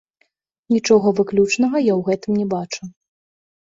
Нічога выключнага я ў гэтым не бачу.